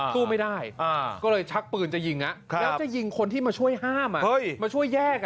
สู้ไม่ได้ก็เลยชักปืนจะยิงแล้วจะยิงคนที่มาช่วยห้ามมาช่วยแยก